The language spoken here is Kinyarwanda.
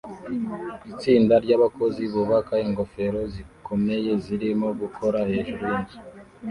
Itsinda ryabakozi bubaka ingofero zikomeye zirimo gukora hejuru yinzu